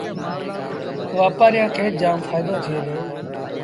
وآپآريآݩ کي جآم ڦآئيٚدو ٿئي دو